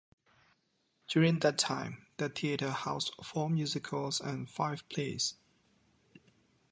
During that time, the theater housed four musicals and five plays.